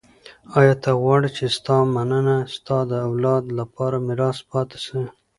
ایا ته غواړې چي ستا مننه ستا د اولاد لپاره میراث پاته سي؟